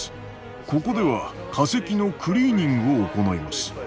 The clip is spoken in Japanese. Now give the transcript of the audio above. ここでは化石のクリーニングを行います。